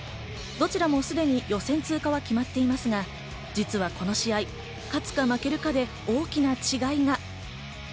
どちらもすでに予選通過は決まっていますが、実はこの試合、勝つか負けるかで大きな違いが。